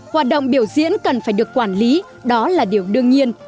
hoạt động biểu diễn cần phải được quản lý đó là điều đương nhiên